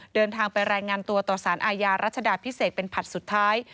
เดินทางไปรายงานตัวต่อสารอาญารัชดาพิเศษเป็นผลัดสุดท้าย